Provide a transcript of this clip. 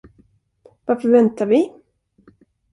Varför väntar vi?